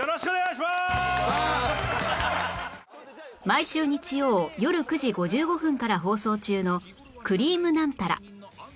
毎週日曜よる９時５５分から放送中の『くりぃむナンタラ』